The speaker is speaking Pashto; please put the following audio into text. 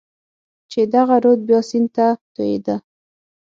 چې دغه رود بیا سیند ته توېېده.